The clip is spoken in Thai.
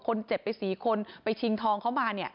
คนเจ็บไป๔คนไปชิงทองเขามา